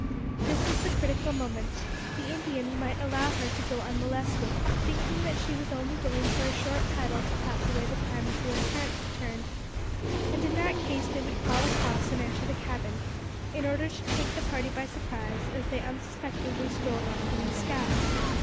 This was the critical moment. The Indians might allow her to go unmolested, thinking that she was only going for a short paddle to pass away the time until her parents returned, and in that case they would crawl across and enter the cabin in order to take the party by surprise as they unsuspectingly strolled up from the scow.